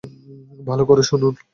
ভালো করে শুনুন।